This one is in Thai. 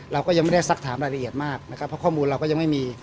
เราก็ยังไม่ได้สักถามรายละเอียดมากนะครับเพราะข้อมูลเราก็ยังไม่มี